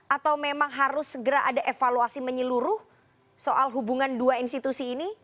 atau memang harus segera ada evaluasi menyeluruh soal hubungan dua institusi ini